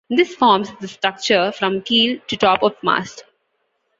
This forms the structure from keel to top of mast.